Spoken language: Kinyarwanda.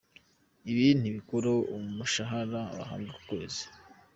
Ibi ntibikuraho umushahara bahabwa ku kwezi.